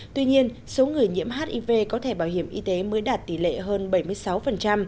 tuy nhiên số người nhiễm hiv có thẻ bảo hiểm y tế mới đạt tỷ lệ hơn bảy mươi sáu